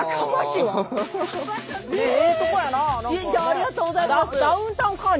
ありがとうございます。